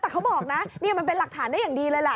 แต่เขาบอกนะนี่มันเป็นหลักฐานได้อย่างดีเลยแหละ